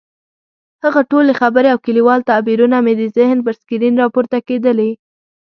هغه ټولې خبرې او کلیوال تعبیرونه مې د ذهن پر سکرین راپورته کېدلې.